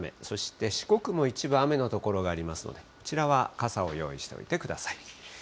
そして四国も一部雨の所がありますが、こちらは傘を用意しておいてください。